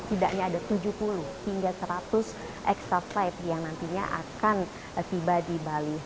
tidaknya ada tujuh puluh hingga seratus extra flight yang nantinya akan tiba di bali